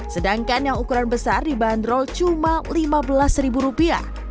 sedangkan yang ukuran besar dibanderol cuma lima belas ribu rupiah